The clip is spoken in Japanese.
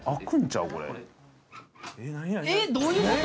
えっ、どういうこと？